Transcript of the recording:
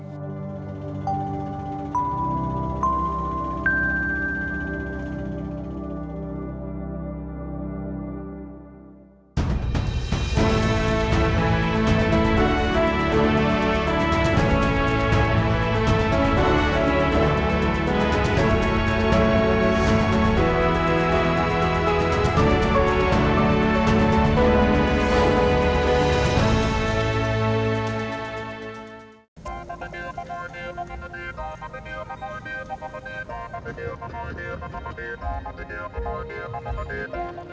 di kepulauan senebu